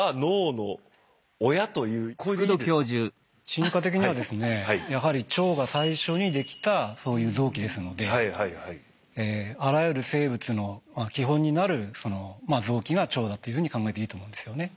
進化的にはですねやはり腸が最初にできたそういう臓器ですのであらゆる生物の基本になる臓器が腸だというふうに考えていいと思うんですよね。